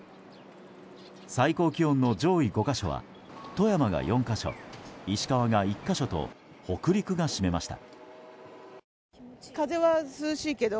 最高気温の上位５か所は富山が４か所、石川が１か所と北陸が占めました。